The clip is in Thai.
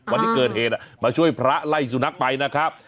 วันที่เกิดเหตุมาช่วยพระไล่สุนัขไปนะครับ